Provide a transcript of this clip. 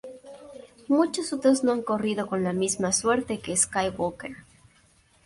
Muchos otros no han corrido con la misma suerte que Skywalker.